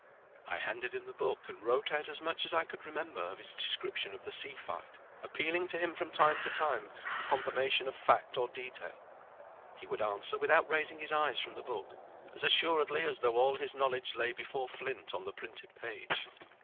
I handed him the book and wrote out as much as I could remember of his description of the sea fight, appealing to him from time to time for confirmation of fact or detail. He would answer without raising his eyes from the book, as assuredly as though all his knowledge lay before flint on the printed page.